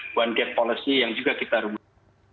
buan gate policy yang juga kita rumuhkan